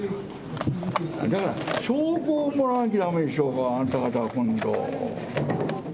だから、証拠をもらわなきゃだめでしょうが、証拠を、あなた方は今度。